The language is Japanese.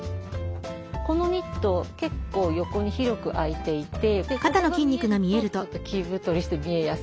このニット結構横に広く開いていてここが見えるとちょっと着太りして見えやすい。